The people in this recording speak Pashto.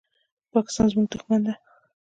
پاکستان زموږ دښمن ده.